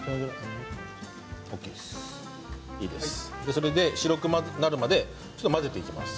それで白くなるまでちょっと混ぜていきます。